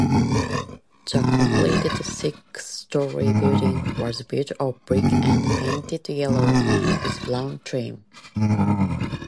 The completed six-story building was built of brick and painted yellow with brown trim.